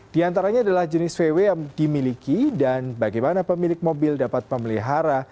di antaranya adalah jenis vw yang dimiliki dan bagaimana pemilik mobil dapat memelihara